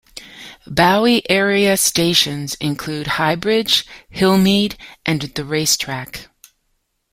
Bowie area stations included High Bridge, Hillmeade, and the Race Track.